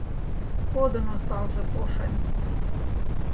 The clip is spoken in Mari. Кодын осалже пошен...